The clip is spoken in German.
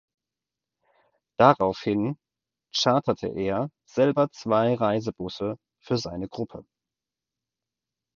Daraufhin charterte er selber zwei Reisebusse für seine Gruppe.